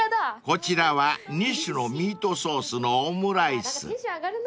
［こちらは２種のミートソースのオムライス］